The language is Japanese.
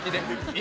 今？